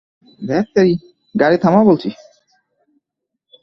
ধ্যাত্তেরি, গাড়ি থামাও বলছি!